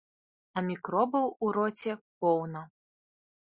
А мікробаў у роце поўна.